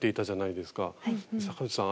坂内さん